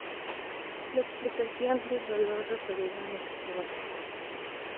La explicación del dolor referido no se conoce.